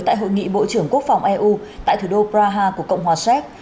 tại hội nghị bộ trưởng quốc phòng eu tại thủ đô praha của cộng hòa séc